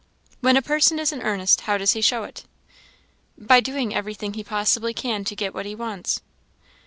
"When a person is in earnest, how does he show it?" "By doing every thing he possibly can to get what he wants."